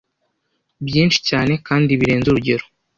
byinshi cyane kandi birenze urugero